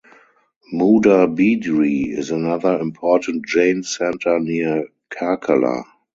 Moodabidri is another important Jain centre near Karkala.